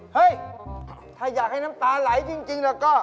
เฮ้ยถ้าอยากให้น้ำตาไหลจริงแล้วก็